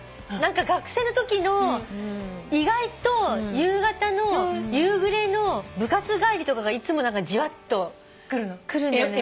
学生のときの意外と夕方の夕暮れの部活帰りとかがいつも何かじわっとくるんだよね。